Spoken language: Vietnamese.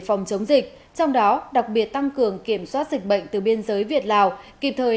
phòng chống dịch trong đó đặc biệt tăng cường kiểm soát dịch bệnh từ biên giới việt lào kịp thời